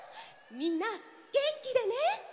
みんなげんきでね。